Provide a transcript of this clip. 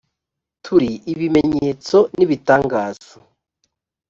turi ibimenyetso n ibitangaza